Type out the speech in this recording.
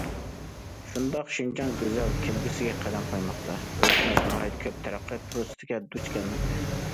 شۇنداق، شىنجاڭ گۈزەل كەلگۈسىگە قەدەم قويماقتا، يۇرتىمىز ناھايىتى كۆپ تەرەققىيات پۇرسىتىگە دۇچ كەلمەكتە.